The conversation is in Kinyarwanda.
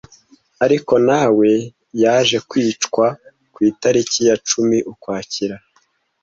ariko na we yaje kwicwa ku itariki ya cumi Ukwakira